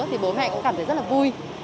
thì bố mẹ cũng cảm thấy rất là vui